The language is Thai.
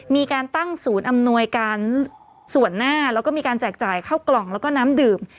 มีการตั้งศูนย์อำนวยการส่วนหน้าแล้วก็มีการแจกจ่ายเข้ากล่องแล้วก็น้ำดื่ม